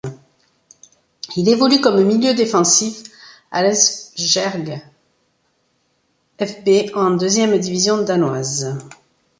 Il évolue comme milieu défensif à l'Esbjerg fB, en deuxième division danoise.